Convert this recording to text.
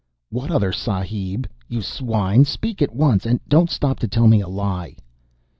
"What other Sahib, you swine? Speak at once, and don't stop to tell me a lie."